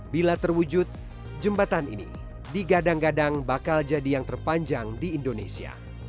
bila terwujud jembatan ini digadang gadang bakal jadi yang terpanjang di indonesia